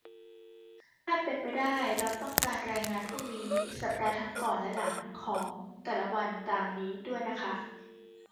ถ้าเป็นไปได้ เราต้องการรายงานพวกนี้สัปดาห์ทั้งก่อนและหลังของแต่ละวันตามนี้ด้วยนะคะ